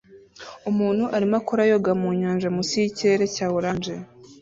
Umuntu arimo akora yoga mu nyanja munsi yikirere cya orange